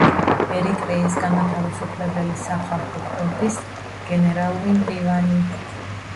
ერიტრეის განმათავისუფლებელი სახალხო ფრონტის გენერალური მდივანი.